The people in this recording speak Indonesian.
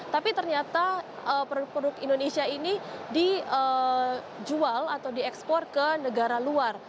tapi ternyata produk produk indonesia ini dijual atau diekspor ke negara luar